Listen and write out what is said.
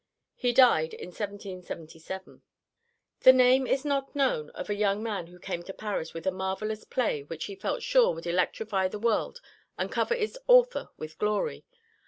He died in 1777. The name is not known of a young man who came to Paris with a marvellous play which he felt sure would electrify the world and cover its author with glory.